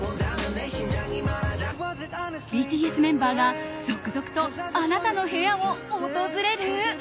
ＢＴＳメンバーが続々とあなたの部屋を訪れる？